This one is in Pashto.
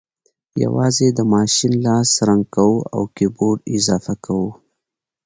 یوازې د ماشین لاس رنګ کوو او کیبورډ اضافه کوو